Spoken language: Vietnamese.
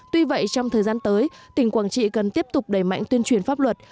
tuy vậy trong thời gian tới tỉnh quảng trị cần tiếp tục đẩy mạnh tuyên truyền pháp luật